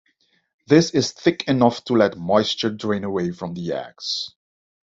This is thick enough to let moisture drain away from the eggs.